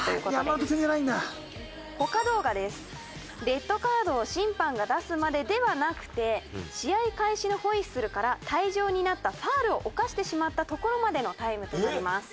レッドカードを審判が出すまでではなくて試合開始のホイッスルから退場になったファウルを犯してしまったところまでのタイムとなります。